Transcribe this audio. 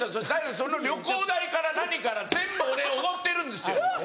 その旅行代から何から全部俺おごってるんですよ。